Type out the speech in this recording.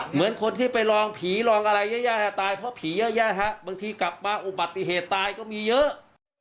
เหมือนคนที่ไปลองผีลองอะไรเยอะแยะตายเพราะผีเยอะแยะฮะบางทีกลับมาอุบัติเหตุตายก็มีเยอะ